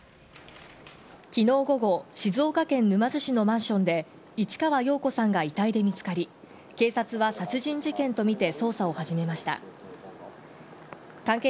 きのう午後、静岡県沼津市のマンションで、市川葉子さんが遺体で見つかり、警察は殺人事件と見て捜査を始めました。